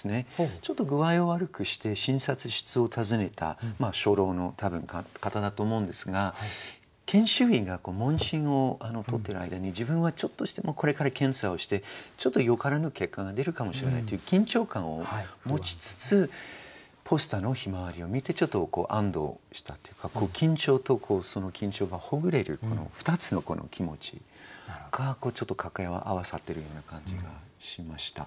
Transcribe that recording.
ちょっと具合を悪くして診察室を訪ねた初老の多分方だと思うんですが研修医が問診をとっている間に自分はこれから検査をしてちょっとよからぬ結果が出るかもしれないという緊張感を持ちつつポスターの向日葵を見てちょっと安堵したというか緊張とその緊張がほぐれる２つのこの気持ちがちょっと掛け合わさってるような感じがしました。